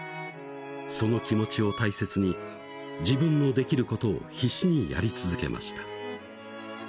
「その気持ちを大切に自分の出来る事を必死にやり続けました」